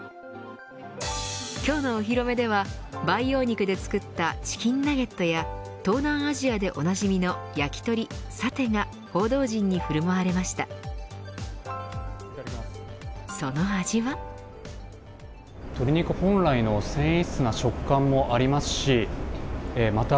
きょうのお披露目では培養肉で作ったチキンナゲットや東南アジアでおなじみの焼き鳥サテが報道陣に振る舞われました。